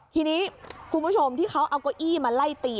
ทีนี้คุณผู้ชมที่เขาเอาเก้าอี้มาไล่ตี